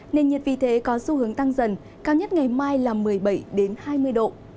nền nhiệt vì thế có xu hướng tăng dần cao nhất ngày mai là một mươi bảy hai mươi độ